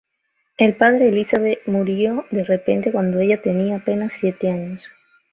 El padre de Elisabeth murió de repente cuando ella tenía apenas siete años.